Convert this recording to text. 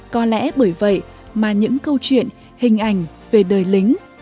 có lẽ bởi vậy mà những câu chuyện hình ảnh về đời lính